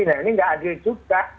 nah ini nggak adil juga